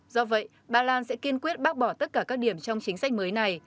do vậy ba lan sẽ kiên quyết bác bỏ tất cả các điểm trong chính sách mới này